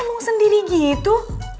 kok ngomong sendiri gitu